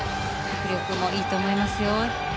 迫力もいいと思います。